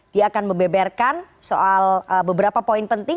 dia akan membeberkan soal beberapa poin penting